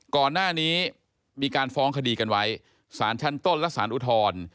ก่อนหน้านี้มีการฟ้องคดีกันไว้สารชั้นต้นและสารอุทธรณ์